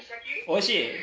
おいしい？